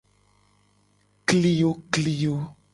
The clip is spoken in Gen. Kliyokliyo.